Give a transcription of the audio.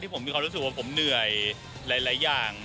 ผมมีความรู้สึกว่าผมเหนื่อยหลายอย่าง